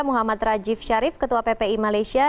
muhammad rajif sharif ketua ppi malaysia